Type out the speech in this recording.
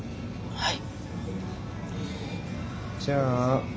はい。